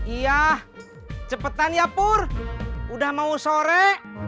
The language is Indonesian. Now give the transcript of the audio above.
iya cepetan ya pur udah mau sore